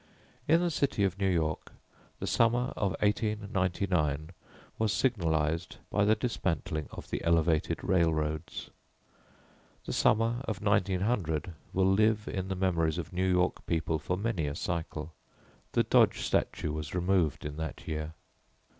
In the city of New York the summer of 1899 was signalized by the dismantling of the Elevated Railroads. The summer of 1900 will live in the memories of New York people for many a cycle; the Dodge Statue was removed in that year.